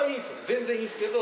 全然いいっすけど。